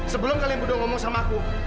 sebelum kalian berdua ngomong sama aku